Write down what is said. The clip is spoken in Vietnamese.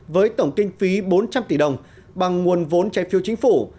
với tổng kinh phí bốn trăm linh tỷ đồng bằng nguồn vốn trái phiếu chính phủ